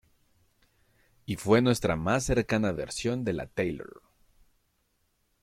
Y fue nuestra más cercana versión de la Taylor.